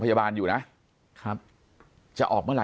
ปากกับภาคภูมิ